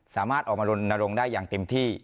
สามารถออกมารณรงค์ได้อย่างเต็มที่